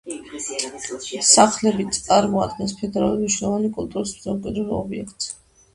სახლები წარმოადგენს ფედერალური მნიშვნელობის კულტურული მემკვიდრეობის ობიექტს.